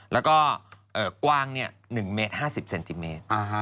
แล้วก็กว้าง๑เมตร๕๐เซนติเมตร